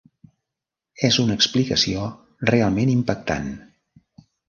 És una explicació realment impactant.